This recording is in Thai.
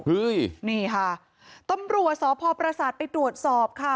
เฮ้ยนี่ค่ะตำรวจสพประสาทไปตรวจสอบค่ะ